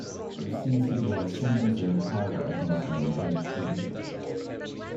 There seems to be a sentence or paragraph missing on page three.